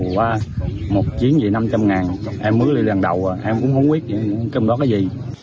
qua một chiến dị năm trăm linh ngàn em mứa đi lần đầu em cũng không biết trong đó có gì